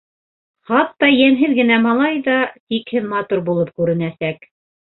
Хатта йәмһеҙ генә малай ҙа сикһеҙ матур булып күренәсәк.